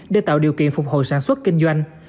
để tạo điều kiện phục hồi sản xuất kinh doanh